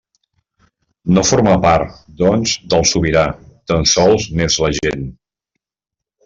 No forma part, doncs, del sobirà; tan sols n'és l'agent.